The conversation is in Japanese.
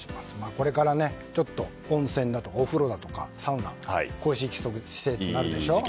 これからちょっと温泉だとかお風呂だとかサウナが恋しい季節になるでしょ。